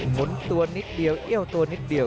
หนุนตัวนิดเดียวเอี้ยวตัวนิดเดียว